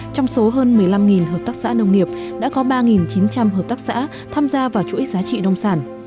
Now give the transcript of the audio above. trong số hơn một mươi năm hợp tác xã nông nghiệp đã có ba chín trăm linh hợp tác xã tham gia vào chuỗi giá trị nông sản